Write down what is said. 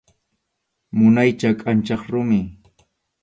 Munaycha kʼanchaq rumi.